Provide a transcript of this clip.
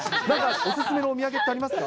お勧めのお土産ってありますか？